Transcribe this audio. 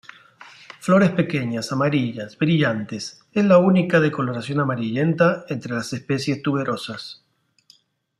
Flores pequeñas, amarillas, brillantes, es la única de coloración amarillenta entre las especies tuberosas.